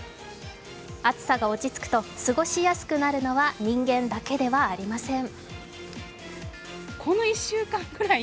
暑さが落ち着くと過ごしやすくなるのは人間だけではありません。